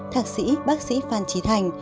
thạc sĩ bác sĩ phan trí thành